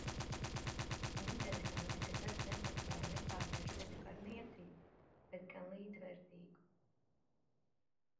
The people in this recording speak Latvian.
Interesanti, ka tas nepakļauj, nepārvērš tevi par niecību, bet gan līdzvērtīgu.